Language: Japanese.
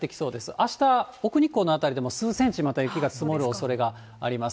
あした、奥日光の辺りでも、数センチ、また雪が積もるおそれがあります。